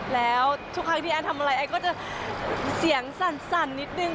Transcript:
แล้วทุกครั้งที่พี่แอนทำอะไรแอนก็จะเสียงสั่นนิดนึง